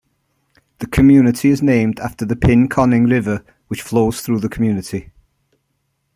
The community is named after the Pinconning River, which flows through the community.